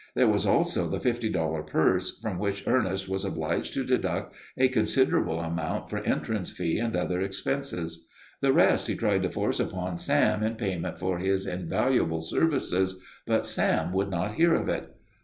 There was also the fifty dollar purse, from which Ernest was obliged to deduct a considerable amount for entrance fee and other expenses. The rest he tried to force upon Sam in payment for his invaluable services, but Sam would not hear of it.